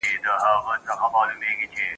زامنو یې سپارلی رقیبانو ته بورجل دی ..